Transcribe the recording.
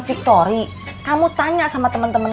victoria kamu tanya sama temen temen